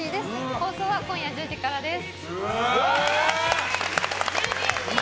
放送は今夜１０時からです。